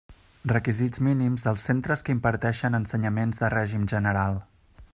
Requisits mínims dels centres que imparteixen ensenyaments de règim general.